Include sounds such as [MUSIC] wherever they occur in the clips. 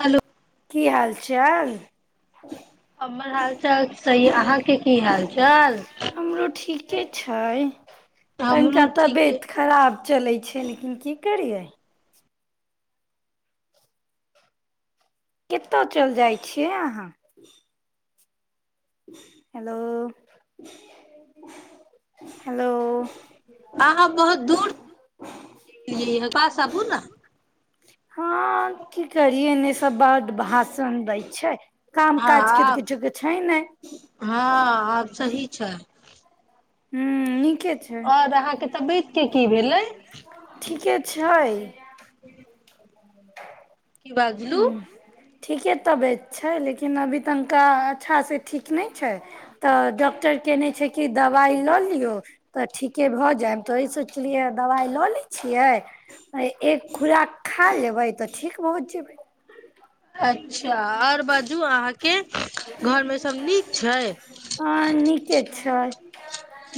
hello की हाल चल हमर हाल चाल सही अहाँके की हाल चाल हमरो ठीके छै तनिका हमरो ठीके तबियत खराब चले छै लेकिन की करियै कतय चल जाइ छियै अहाँ हेलो हेलो अहाँ बहुत दूर एलियै पास आबू ने हँ की करियै ने सब बड्ड भाषण दै छै काम हँ काज के तऽ आब किछो के छै नहि हँ आब सही छै हूँ नी - आओर अहाँके तबियत के की भेलै ठीके छै [UNINTELLIGIBLE] की बाजलू ठीके तबीयत छै लेकिन अभी तनिका अच्छा से ठीक नहि छै तऽ डॉक्टर केने छै की दबा- दबाइ लऽ लियौ तऽ ठीके भऽ जायब तऽ ओही सोचलियै या दबाइ लऽ लैय छियै एक खुराक खा लेबै तऽ ठीक ओ जेबै अच्छा आओर बाजू अहाँके घर मे सब नीक छै हँ नीके छै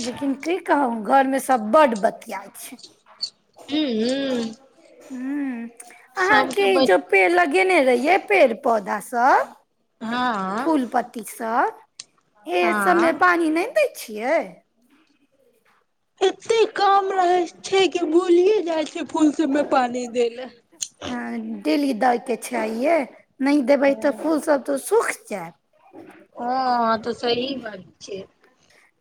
लेकिन की कहू घर में सब बड्ड बतिया छै हूँ हूँ अहाँ सबके के बै जपे लग - के ने रहियै पेड़ पौधासँ फूल हँ पत्ती सँ ए सब मे हँ पानि नहि एतै छियै एते काम रहै छै की भूलिये जाइ छियै फूल सबमे पानि दैय ला तेली दाइ के छै आइये नहि देबै तऽ ले फूल सब तऽ सूख [UNINTELLIGIBLE] हँ आ तऽ सही बात छै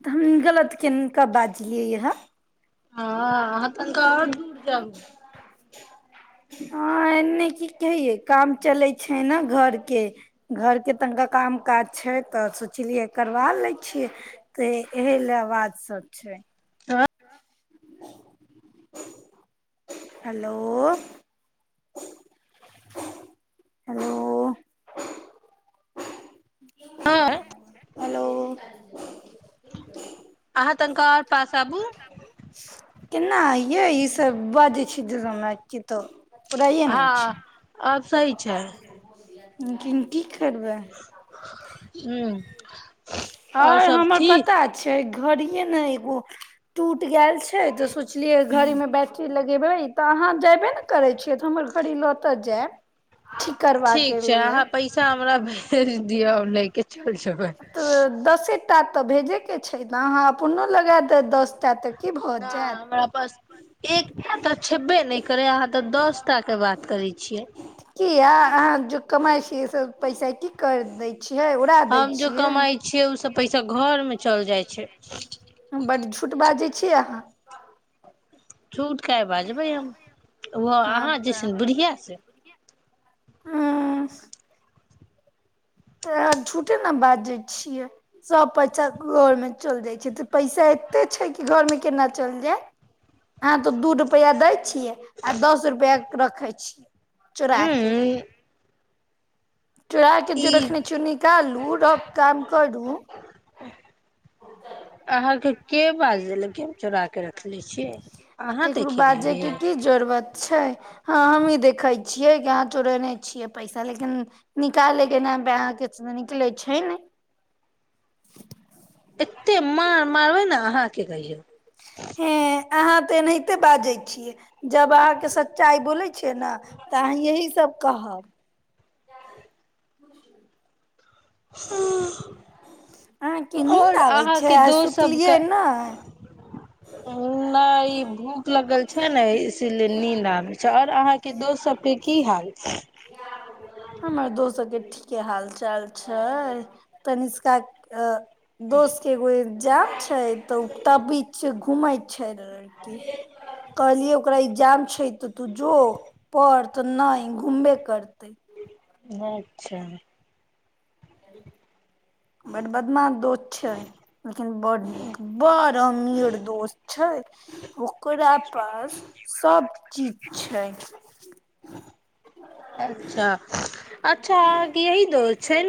तऽ हम गलत किनका बाजलियै ह हँ अहाँ तनिका आओर दूर जाब हँ एने की कहियै काम चले छै ने घर के घर के तनिका काम काज छै तऽ सोचलियै करबा ले छियै तऽ एह ले बात सब छै आ हैेलो हैेलो आँ [INAUDIBLE] अहाँ तनिका आओर पास आबु केना अइययै ईसभ बाजै छै [UNINTELLIGIBLE] नहि हँ आब सही छै किं की ठीक करबै हूँ आओर हमर पता छै घड़ीए ने एगो टूट टूट गेल छै तऽ सोचलियै घड़ी ह मे बैट्री लगेबै तऽ अहाँ जेयबै ने करै छियै तऽ हमर घड़ी लऽतऽ जायब ठीक करबा के ठीक छै लेल अहाँ पैसा हमरा भेज दिअ लैके चैल जेबै ता त भेजै के छै ने अहाँ अपनो लगा दे दस टा तक नहि हमरा पास एकटा तऽ छबे नहि करै अहाँ तऽ दसटाके बात करै छियै किया अहाँ ज कमाइ छियै से पैसा की कर दै छियै उड़ा दै हम जो छियै कमाइ छियै उ सब पैसा घर मे चल जाइ छै हम बड्ड झूठ बाजै छी अहाँ छूट काहे बाजबै हम ओ अहाँ तऽ जेइसन बुढिआ से हँ तऽ अहाँ झूटे ने बाजै छियै सब पैसा घर मे चल जाइ छै तऽ पैसा एते छै कि घर मे केना चल जाय अहाँ तो दू रुपआ दैत छियै आ दस रुपआ रखै छी चोराके हूँ चोराके जे ई रखने छियै निकालू र काम करू अहाँ के के बाज लकै चोरा केकरो देखि बाजै गेलियै के की जरूरत छै हँ हमी देख देखै छियै की अहाँ चोरेने छियै पैसा लेकिन निकालैके नाम पे अहाँके निकलै छै ने एते मार मारबै ने अहाँके कहियौ हे अहाँ तऽ एनाहिते बाजै छियै जब अहाँके सच्चाइ बोलैय छियै ने तऽ अहाँ यही सब कहब [UNINTELLIGIBLE] अहाँके नीन्द आओर आबै छै अहाँके आ दोस्त सुतलियै सबके ने नहि ई भूख लगल छै ने इसीलिए नींद आबे छै आओर अहाँ के दोस सब कें की हाल हमर दोस सबकें ठीक के हाल छै चाल छै तनि [UNINTELLIGIBLE] दोस्तके एगो एक्जाम छै तऽ उ बीच घुमैत छै लड़की कहलियै ओकरा एक्जाम छै त तू जो पढ़ त नै घूमबे करतैय अच्छा बड्ड बदमाश दोस्त छै लेकिन बड्ड नीक बड़ अमीर दोस्त छै ओकरा पास सब चीज छै अच्छा अच्छा अहाँके यही दोस्त छै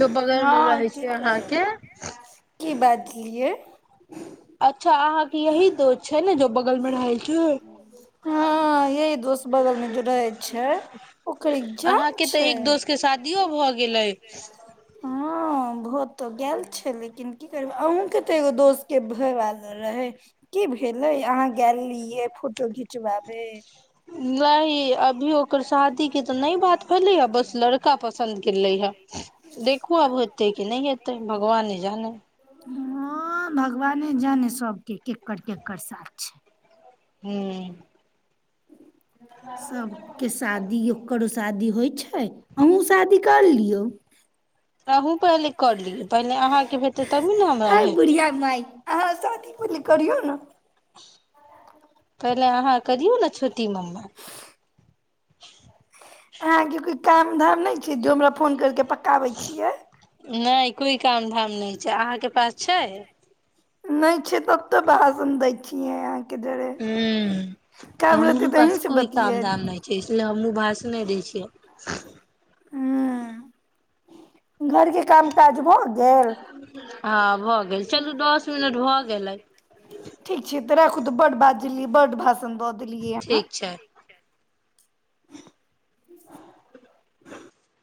जो बगल मे हँ रहै की छै करब अहाँके की बाजलियै अ अच्छा अहाँके यही दोस्त छै ने जो बगल मे रहै छै हँ यही दोस्त बगल मे जे रहे छै ओकर अहाँ एग्जाम के तऽ छै एक दोस्त के शादियो भ गेलै हँ भ त गाल छै लेकिन की करबै अहुँके तऽ एगो दोस्त के भ आएल रहै की भेलै अहाँ गेलरहियै फोटो घिचबाबे नहि अभी ओकर शादी के तऽ नहि बात भेलैया बस लड़का पसन्द केलियै हाऽ देखू आब हेतै की नहि हेतै भगवाने जाने हँ भगवाने जाने सबके केकर केकर साथ छै हूँ सबके शादी ओकर शादी होइ छै अहूँ शादी कर लियौ अन्हु पहिले कर लिये पहिले अहाँ के हेतै तभी न हमरा हय हेतै बुढ़िया माय अहाँ शादी पहिले करियौ ने पहिले अहाँ करियौ ने छोटी मम्मा अहाँके कोइ काम धाम नहि छै जे हमरा फोन करके पकाबै छियै नहि कोई काम धाम नहि छै अहाँके पास छै नहि छै ओत्ते भाषण दै छियैहं हूँ तऽ रहतै हमरो अहीं पास से कोइ काम बतियेब धाम नहि छै इसलिए हमहूँ भास नहि दै छियै हूँ घरके काम काज भ गेल हँ भ- -गेल चलू दस मिनट भऽ गेलै दीदी बड्ड भाषा- -ण दऽ देलियै अहाँ ठीक छै [UNINTELLIGIBLE] [UNINTELLIGIBLE]